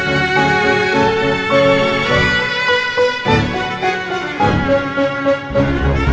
miss saya udah udah sadar dok